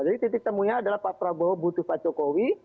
jadi titik temunya adalah pak prabowo butuh pak jokowi